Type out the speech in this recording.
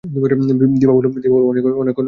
দিপা বলল, অনেকক্ষণ হইছে আসছি।